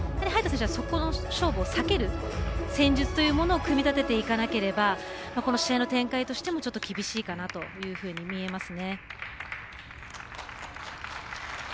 早田選手は、そこの勝負を避ける戦術というものを組み立てていかなければ試合の展開としてもちょっと厳しいかなというふうに見えますね。